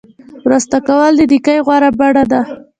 مرسته کول د نیکۍ غوره بڼه ده.